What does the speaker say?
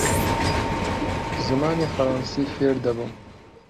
زمانی فەڕەنسی فێر دەبم.